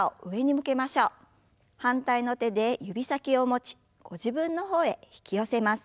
反対の手で指先を持ちご自分の方へ引き寄せます。